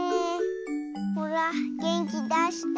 ほらげんきだして。